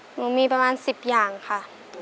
หนูมีประมาณ๑๐อย่างค่ะ